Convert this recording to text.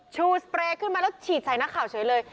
ชูสเปรย์ขึ้นมาแล้วฉีดใส่นักข่าวเฉยเลย